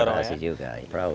transportasi juga perahu